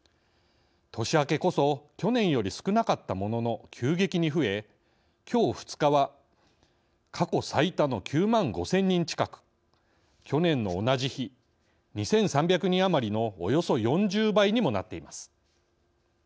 年明けこそ去年より少なかったものの急激に増え、きょう２日は過去最多の９万５０００人近く去年の同じ日、２３００人余りのおよそ４０倍にもなっています。